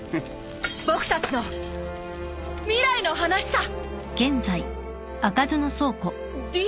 僕たちの未来の話さ！